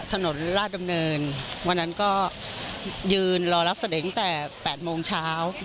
ถนนราชดำเนินวันนั้นก็ยืนรอรับเสด็จตั้งแต่๘โมงเช้า